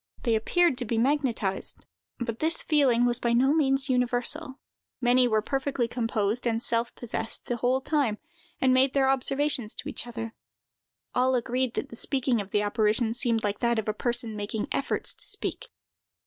They appeared to be magnetized; but this feeling was by no means universal. Many were perfectly composed and self possessed the whole time, and made their observations to each other. All agreed that the speaking of the apparition seemed like that of a person making efforts to speak.